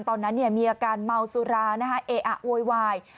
ตอนนั้นมีอาการเมาซุราโยโยง